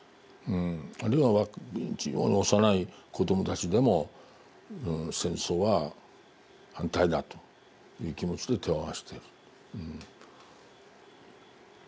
あるいは幼い子どもたちでも戦争は反対だという気持ちで手を合わしている。